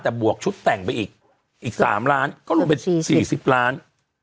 แต่บวกชุดแต่งไปอีก๓ล้านก็รวมเป็น๔๐ล้าน